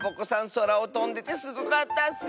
そらをとんでてすごかったッス！